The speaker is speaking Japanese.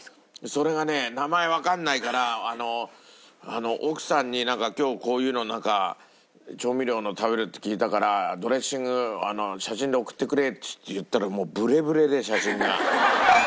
それがね名前わかんないから奥さんになんか今日こういうの調味料のを食べるって聞いたから「ドレッシング写真で送ってくれ」って言ったらもうブレブレで写真が。